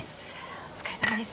お疲れさまです。